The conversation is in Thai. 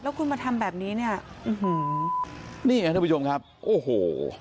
แล้วคุณมาทำแบบนี้เนี่ยนี่เนี่ยน้องผู้ชมครับโอ้โห